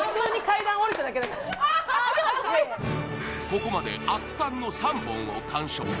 ここまで圧巻の３本を完食